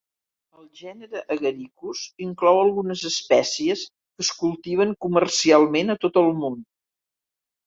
El gènere "Agaricus" inclou algunes espècies que es cultiven comercialment a tot el món.